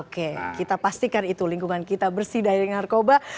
oke kita pastikan itu lingkungan kita bersih dari narkoba